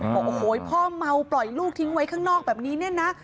บอกโอ้โหพ่อเมาปล่อยลูกทิ้งไว้ข้างนอกแบบนี้เนี่ยนะ